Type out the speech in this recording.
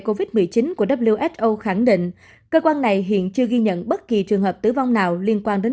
covid một mươi chín của who khẳng định cơ quan này hiện chưa ghi nhận bất kỳ trường hợp tử vong nào liên quan đến